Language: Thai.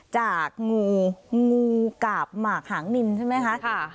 จากงูงูกาบหมากหางนินใช่ไหมคะ